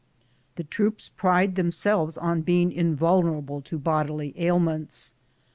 The troops pride themselves on being invulnera ble to bodily ailments.